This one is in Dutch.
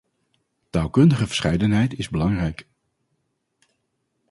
Taalkundige verscheidenheid is belangrijk.